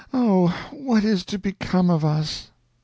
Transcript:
Oh, what is to become of us!"